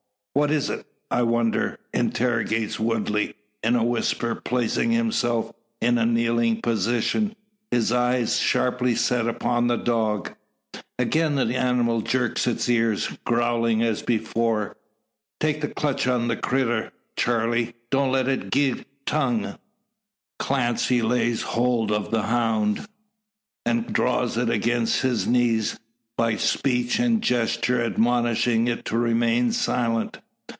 "What is't, I wonder?" interrogates Woodley, in a whisper, placing himself in a kneeling posture, his eyes sharply set upon the dog. Again the animal jerks its ears, growling as before. "Take clutch on the critter, Charley! Don't let it gie tongue." Clancy lays hold of the hound, and draws it against his knees, by speech and gesture admonishing it to remain silent.